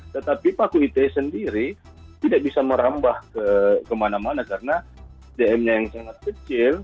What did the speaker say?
tetapi paku ite sendiri tidak bisa merambah kemana mana karena dm nya yang sangat kecil